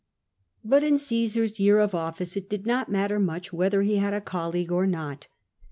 But in Cmsar's year of ofllce it did not matter much whether he had a colleague or not.